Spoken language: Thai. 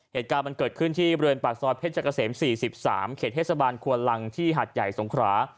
เหตุการณ์มันเกิดขึ้นที่เบือนปรัสนอยเพชรกระเสมสี่สิบสามเขตเทศบาลควลังที่หัดใหญ่สงครา